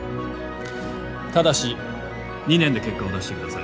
ただし２年で結果を出してください。